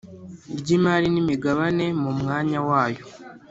Ry imari n imigabane mu mwanya wayo